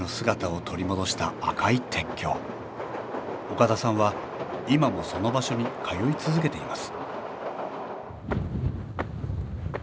岡田さんは今もその場所に通い続けています